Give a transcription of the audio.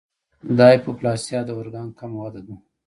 د هایپوپلاسیا د ارګان کم وده ده.